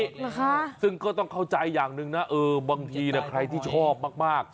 นะคะซึ่งก็ต้องเข้าใจอย่างหนึ่งนะเออบางทีนะใครที่ชอบมากมาก